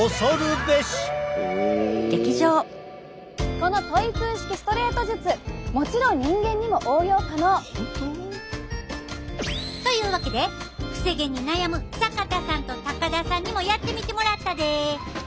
このトイプー式ストレート術もちろん人間にも応用可能！というわけでくせ毛に悩む坂田さんと高田さんにもやってみてもらったで。